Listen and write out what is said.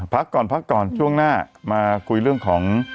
พักก่อนช่วงหน้ามาคุยเรื่องของ